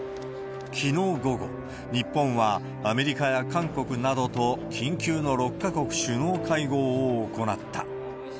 きのう午後、日本は、アメリカや韓国などと緊急の６か国首脳会合を行った。